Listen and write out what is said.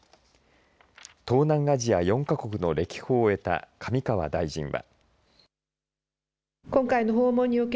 東南アジア４か国の歴訪を終えた上川大臣は。